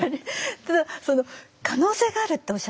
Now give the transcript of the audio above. ただその可能性があるっておっしゃったじゃないですか。